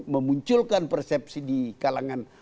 memunculkan persepsi di kalangan